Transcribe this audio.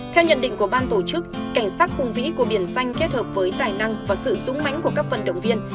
theo nhận định của ban tổ chức cảnh sát khung vĩ của biển xanh kết hợp với tài năng và sự dũng mánh của các vận động viên